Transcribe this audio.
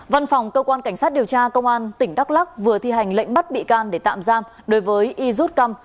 văn phòng cơ quan cảnh sát điều tra công an tỉnh đắk lắc vừa thi hành lệnh bắt bị can để tạm giam đối với yut căm